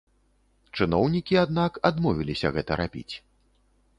Чыноўнікі, аднак, адмовіліся гэта рабіць.